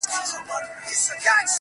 د دوى په نيت ورسره نه اوسيږو.